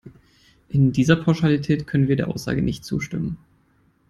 In dieser Pauschalität können wir der Aussage nicht zustimmen.